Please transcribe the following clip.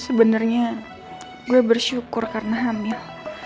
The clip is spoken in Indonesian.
sebenarnya gue bersyukur karena hamil